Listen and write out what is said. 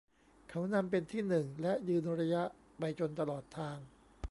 เขานำเป็นที่หนึ่งและยืนระยะไปจนตลอดทาง